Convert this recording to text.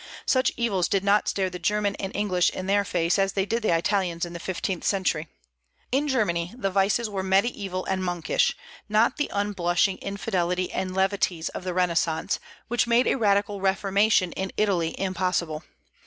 Such evils did not stare the German and English in the face, as they did the Italians in the fifteenth century. In Germany the vices were mediaeval and monkish, not the unblushing infidelity and levities of the Renaissance, which made a radical reformation in Italy impossible.